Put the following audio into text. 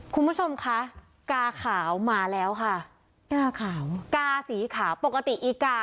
คุณผู้ชมคะกาขาวมาแล้วค่ะกาขาวกาสีขาวปกติอีกา